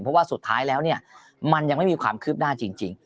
เพราะว่าสุดท้ายแล้วเนี่ยมันยังไม่มีความคืบหน้าจริง